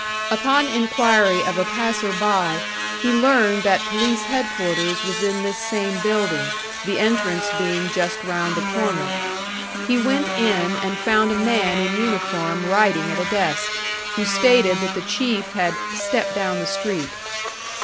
Upon inquiry of a passer by, he learned that police headquarters was in this same building, the entrance being just round the corner. He went in, and found a man in uniform writing at a desk, who stated that the Chief had "stepped down the street."